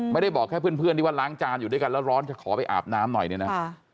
ไม่ได้บอกแค่เพื่อนที่ว่าล้างจานอยู่ด้วยกันแล้วร้อนจะขอไปอาบน้ำหน่อยเนี่ยนะ